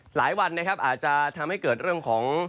หลายวันนะครับอาจจะทำให้เกิดเรื่องของ